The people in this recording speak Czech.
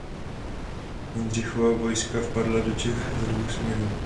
Jindřichova vojska vpadla do Čech ze dvou směrů.